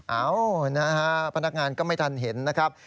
เอ้านะฮะพนักงานก็ไม่ทันเห็นนะครับ